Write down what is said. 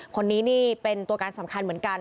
คนนี้นี่เป็นตัวการสำคัญเหมือนกัน